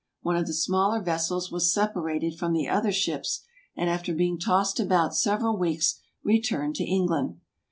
One of the smaller vessels was sep arated from the other ships, and after being tossed about several weeks returned to England.